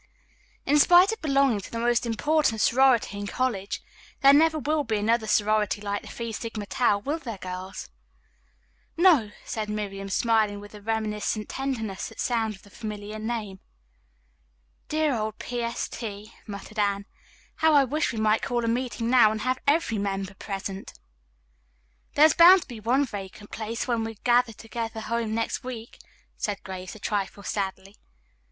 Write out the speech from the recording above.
"In spite of belonging to the most important sorority in college, there never will be another sorority like the Phi Sigma Tau, will there, girls?" "No," said Miriam, smiling with a reminiscent tenderness at sound of the familiar name. "Dear old P. S. T.," murmured Anne. "How I wish we might call a meeting now and have every member present." "There is bound to be one vacant place when we gather home next week," said Grace a trifle sadly.